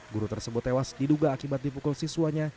guru tersebut tewas diduga akibat dipukul siswanya